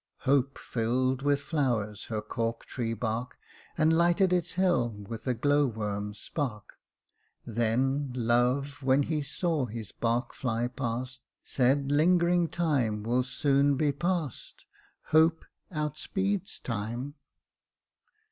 « Hope filled with flowers her cork tree bark. And lighted its helm with a glow worm's spark ; Then Love, when he saw his bark fly past, Said, ' Lingering Time will soon be passed,' ' Hope outspeeds Time.'